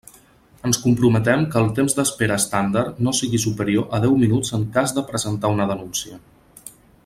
Ens comprometem que el temps d'espera “estàndard” no sigui superior a deu minuts en cas de presentar una denúncia.